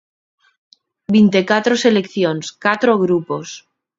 Vinte e catro seleccións, catro grupos.